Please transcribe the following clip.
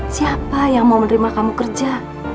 siapa yang mau menerima kamu kerja